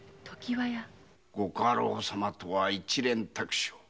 ご家老様とは一蓮托生。